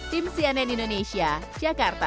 tim cnn indonesia jakarta